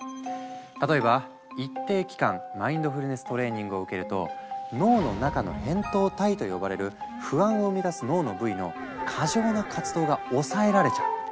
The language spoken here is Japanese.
例えば一定期間マインドフルネス・トレーニングを受けると脳の中の「扁桃体」と呼ばれる不安を生み出す脳の部位の過剰な活動が抑えられちゃう。